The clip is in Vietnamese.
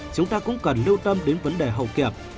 chúng ta cũng cần lưu tâm đến vấn đề hậu kiểm